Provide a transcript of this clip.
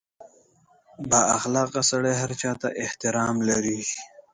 • بااخلاقه سړی هر چا ته احترام لري.